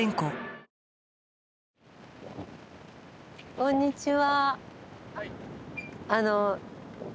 こんにちは。